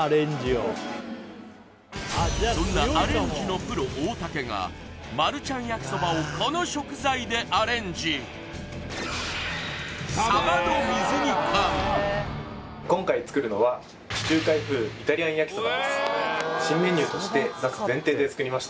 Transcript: そんなアレンジのプロ大竹がマルちゃん焼きそばをこの食材でアレンジ今回作るのはと思います